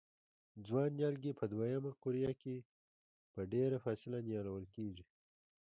ځوان نیالګي په دوه یمه قوریه کې په ډېره فاصله نیالول کېږي.